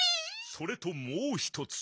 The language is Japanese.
それともうひとつ。